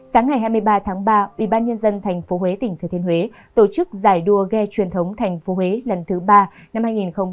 sáng ngày hai mươi ba tháng ba ủy ban nhân dân tp huế tỉnh thừa thiên huế tổ chức giải đua ghe truyền thống tp huế lần thứ ba năm hai nghìn hai mươi bốn